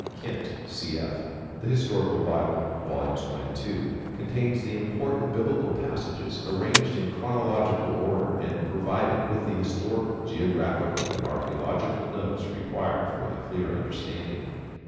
Kent, C. F., The Historical Bible, Vols. I and II. Contains the important Biblical passages arranged in chronological order and provided with the historical, geographical and archaeological notes required for their clear understanding.